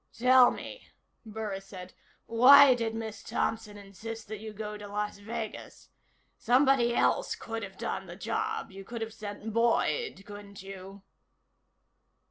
"Tell me," Burris said. "Why did Miss Thompson insist that you go to Las Vegas? Somebody else could have done the job. You could have sent Boyd, couldn't you?"